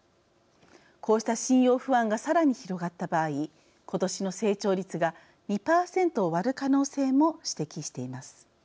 こうした信用不安がさらに広がった場合今年の成長率が２％を割る可能性も指摘しています。